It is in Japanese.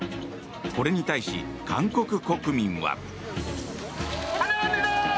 これに対し、韓国国民は。